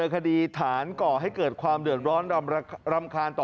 ถึงจะมีเหตุการณ์ที่เกิดขึ้นนะครับ